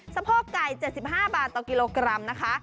สะโพกไก่๗๕บาทต่อกิโลกรัมนะคะ